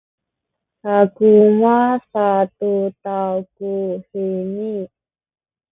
sakamu sa tu taw kuheni.